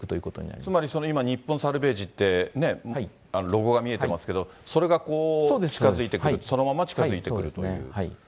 つまり、今、ニッポンサルベージってロゴが見えてますけど、それが近づいてくる、そのまま近づいてくると。